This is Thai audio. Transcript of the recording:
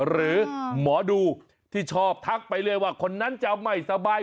หรือหมอดูที่ชอบทักไปเลยว่าคนนั้นจะไม่สบาย